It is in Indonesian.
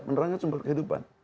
penerangan sumber kehidupan